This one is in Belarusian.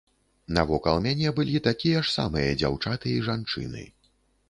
Навокал мяне былі такія ж самыя дзяўчаты і жанчыны.